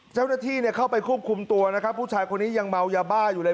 เจ้าหน้าที่เข้าไปควบคุมตัวนะครับผู้ชายคนนี้ยังเมายาบ้าอยู่เลย